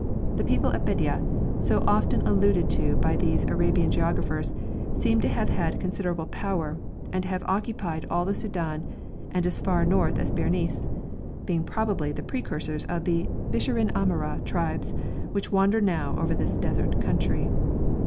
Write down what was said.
The people of Bedja, so often alluded to by these Arabian geographers, seem to have had considerable power, and to have occupied all the Soudan and as far north as Berenice, being probably the precursors of the Bisharin Amara tribes, which wander now over this desert country.